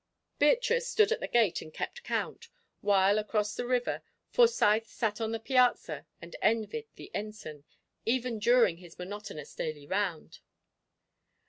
Beatrice stood at the gate and kept count; while, across the river, Forsyth sat on the piazza and envied the Ensign, even during his monotonous daily round.